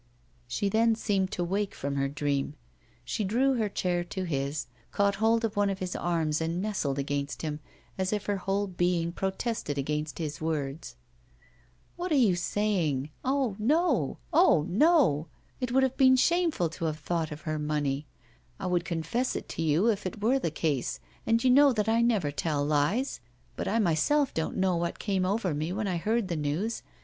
She then seemed to wake from her dream. She drew her chair to his, caught hold of one of his arms and nestled against him, as if her whole being protested against his words: 'What are you saying? Oh! no; oh! no. It would have been shameful to have thought of her money. I would confess it to you if it were the case, and you know that I never tell lies; but I myself don't know what came over me when I heard the news.